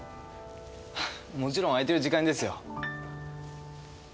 もちろん開いてる時間にですよ。